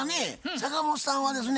坂本さんはですね